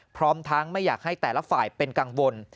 พร้อมทั้งไม่อยากให้แต่ละฝ่ายเป็นกังวล